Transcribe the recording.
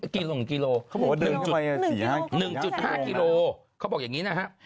กิโล่งกิโลเขาบอกว่า๑๑๕กิโลเขาบอกอย่างนี้นะฮะ